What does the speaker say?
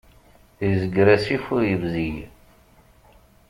Izger asif ur yebzig.